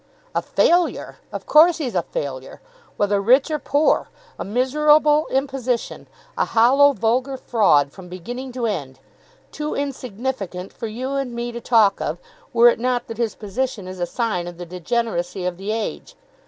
"A failure! Of course he's a failure, whether rich or poor; a miserable imposition, a hollow vulgar fraud from beginning to end, too insignificant for you and me to talk of, were it not that his position is a sign of the degeneracy of the age.